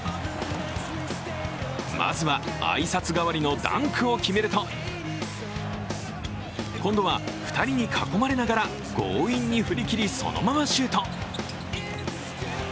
まずは、挨拶代わりのダンクを決めると、今度は２人に囲まれながら強引に振り切り、そのままシュート。